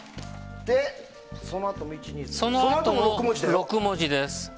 そのあとも６文字です。